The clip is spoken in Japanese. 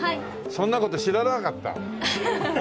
そんな事しららなかった。